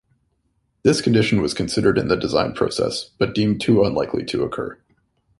This condition was considered in the design process, but deemed too unlikely to occur.